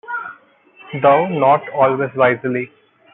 Though not always wisely.